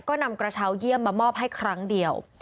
ก็นำกระเช้าเยี่ยมมามอบให้ครั้งเดียว